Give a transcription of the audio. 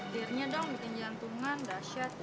dearnya dong bikin jantungan dasyat